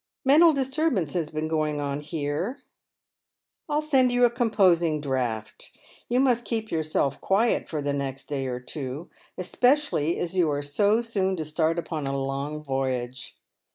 Mental disturbance has been going on {here. I'll send you a composing di aught. You must keep yourself quiet for the next day or two, especially as you are so soon to start upon a long voyage.